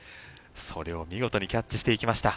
それを見事にキャッチしていきました。